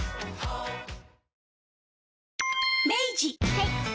はい。